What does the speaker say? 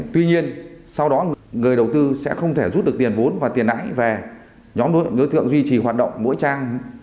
tuy nhiên sau đó người đầu tư sẽ không thể rút được tiền vốn và tiền nãi về nhóm đối tượng duy trì hoạt động mỗi trang